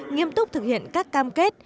nghiêm túc thực hiện các cam kết